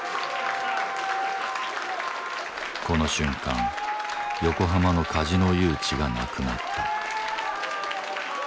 この瞬間横浜のカジノ誘致がなくなった。